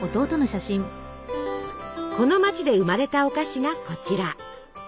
この町で生まれたお菓子がこちら。